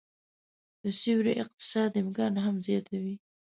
د سیوري اقتصاد امکان هم زياتوي